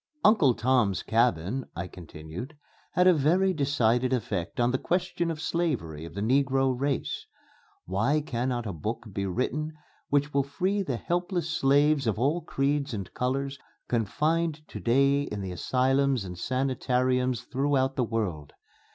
"'Uncle Tom's Cabin,'" I continued, "had a very decided effect on the question of slavery of the negro race. Why cannot a book be written which will free the helpless slaves of all creeds and colors confined to day in the asylums and sanitariums throughout the world?